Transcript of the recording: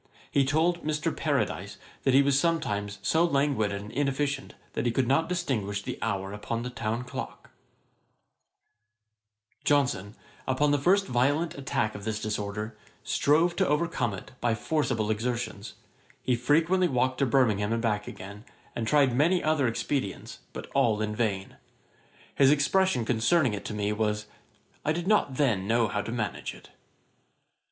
He told Mr. Paradise that he was sometimes so languid and inefficient, that he could not distinguish the hour upon the town clock. [Page 64: Johnson consults Dr. Swinfen. A.D. 1729.] Johnson, upon the first violent attack of this disorder, strove to overcome it by forcible exertions. He frequently walked to Birmingham and back again, and tried many other expedients, but all in vain. His expression concerning it to me was 'I did not then know how to manage it.'